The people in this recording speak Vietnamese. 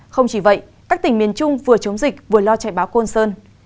không chỉ vậy các tỉnh miền trung vừa chống dịch vừa lo chạy báo côn sơn